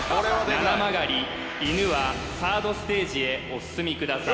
ななまがりいぬはサードステージへお進みください